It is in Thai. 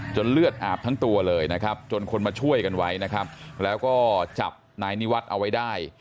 เลือดอาบทั้งตัวเลยนะครับจนคนมาช่วยกันไว้นะครับแล้วก็จับนายนิวัฒน์เอาไว้ได้